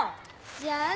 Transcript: じゃあね！